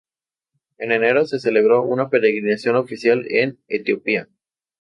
En enero se celebra una peregrinación oficial en Etiopía.